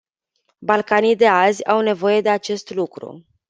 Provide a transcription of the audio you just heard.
Balcanii de azi au nevoie de acest lucru.